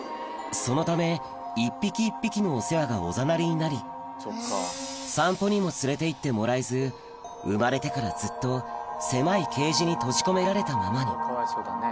そのため一匹一匹のお世話がおざなりになり散歩にも連れて行ってもらえず生まれてからずっと狭いケージに閉じ込められたままにそっか。